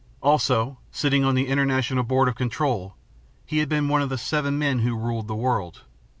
Also, sitting on the International Board of Control, he had been one of the seven men who ruled the world.